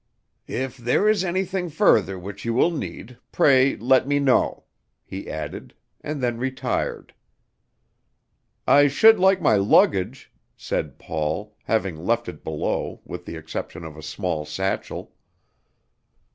"If there is anything further which you will need, pray let me know," he added, and then retired. "I should like my luggage," said Paul, having left it below, with the exception of a small satchel.